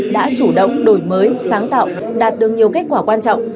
đã chủ động đổi mới sáng tạo đạt được nhiều kết quả quan trọng